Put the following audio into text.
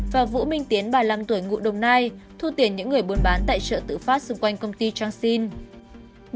và vũ minh tiến ba mươi năm tuổi ngụ đồng nai thu tiền những người buôn bán tại chợ tự phát xung quanh công ty trang sinh